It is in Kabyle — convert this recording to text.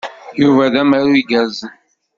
Yuba d amaru igerrzen.